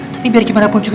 tapi biar gimana pun juga